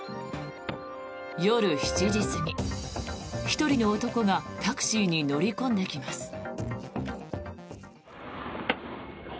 夜７時過ぎ、１人の男がタクシーに乗り込んできます。